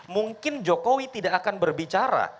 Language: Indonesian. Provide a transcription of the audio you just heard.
mungkin jokowi tidak akan berbicara